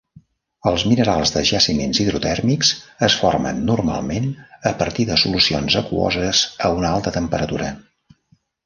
Els minerals de jaciments hidrotèrmics es formen, normalment, a partir de solucions aquoses a una alta temperatura.